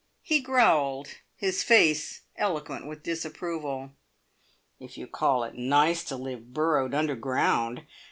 He growled, his face eloquent with disapproval. "If you call it `nice' to live burrowed underground!